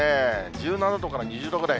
１７度から２０度ぐらい。